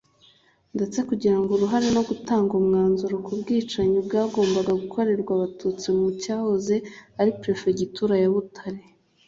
ndetse no kugira uruhare no gutanga umwanzuro ku bwicanyi bwagombaga gukorerwa Abatutsi mu cyahoze ari Perefegitura ya Butare